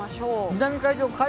南海上海